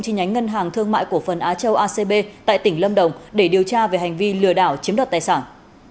trên nhánh ngân hàng thương mại của phần á châu acb tại tỉnh lâm đồng để điều tra về hành vi lừa đảo chiếm đặt tài sản